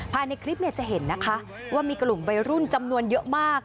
ภายในคลิปจะเห็นนะคะว่ามีกลุ่มวัยรุ่นจำนวนเยอะมาก